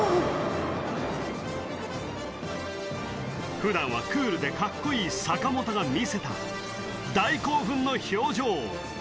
普段はクールでカッコいい坂本が見せた大興奮の表情